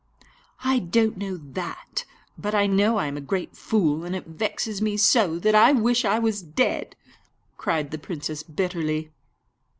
"I don't know that; but I know I am a great fool, and it vexes me so, that I wish I was dead," cried the princess bitterly.